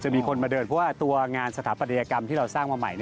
มีคนมาเดินเพราะว่าตัวงานสถาปัตยกรรมที่เราสร้างมาใหม่